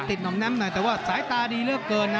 ติดตอดแนมหน่อยแต่ว่าสายตาดีเรื่องเกินนะ